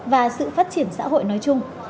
và sự phát triển xã hội nói chung